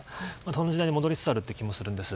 その時代に戻りつつあるという気もするんです。